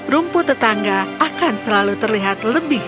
rumput tetangga akan selalu terlihat lebih